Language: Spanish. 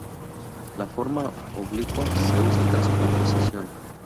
La forma oblicua se usa tras preposición.